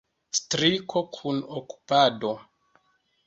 Striko kun okupado.